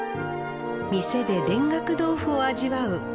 店で田楽豆腐を味わう